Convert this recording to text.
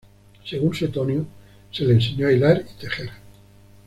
Según Suetonio, se le enseñó a hilar y tejer.